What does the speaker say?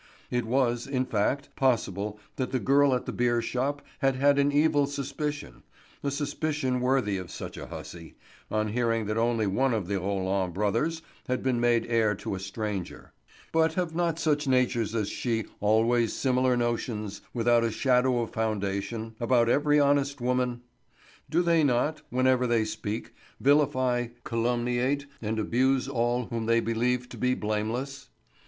It was, in fact, possible that the girl at the beer shop had had an evil suspicion—a suspicion worthy of such a hussy—on hearing that only one of the Roland brothers had been made heir to a stranger; but have not such natures as she always similar notions, without a shadow of foundation, about every honest woman? Do they not, whenever they speak, vilify, calumniate, and abuse all whom they believe to be blameless?